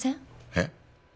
えっ？